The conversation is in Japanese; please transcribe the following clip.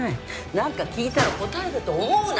なんか聞いたら答えると思うな！